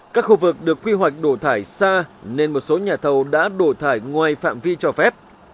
các khu vực được quy hoạch đổ thải xa nên một số nhà thầu đã đổ thải ngoài phạm vi cho phép